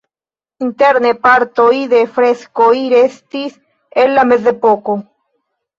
Interne partoj de freskoj restis el la mezepoko.